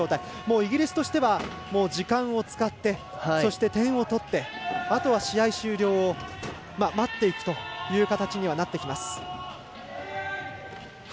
イギリスとしては時間を使って点を取って、あとは試合終了を待っていくという形にはなっていきます。